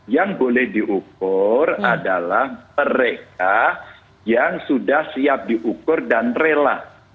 yang boleh diukur adalah mereka yang sudah siap diukur dan rela